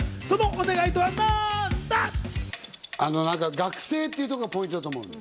学生っていうところがポイントだと思う。